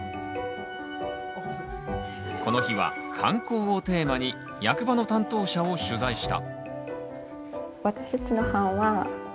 この日は「観光」をテーマに役場の担当者を取材した。